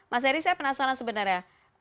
mas heri saya penasaran sebenarnya